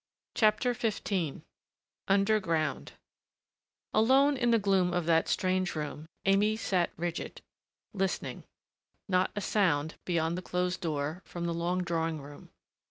CHAPTER XV UNDERGROUND Alone in the gloom of that strange room, Aimée sat rigid. Listening. Not a sound, beyond the closed door, from the long drawing room.